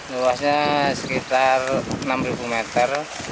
luasnya sekitar enam meter